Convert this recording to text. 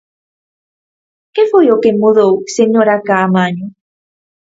¿Que foi o que mudou, señora Caamaño?